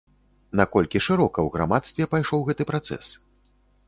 Наколькі шырока ў грамадстве пайшоў гэты працэс?